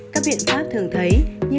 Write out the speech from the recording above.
các biện pháp thường thấy